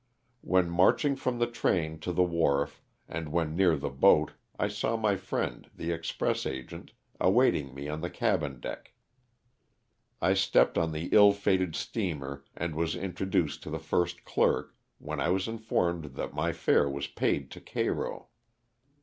When marching from the train to the wharf, and when near the boat, I saw my friend, the express agent, awaiting me on the cabin deck. I stepped on the ill fated steamer and was introduced to the first clerk, when I was informed that my fare was paid to Cairo.